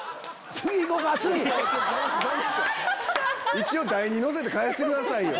一応台に載せて返してくださいよ。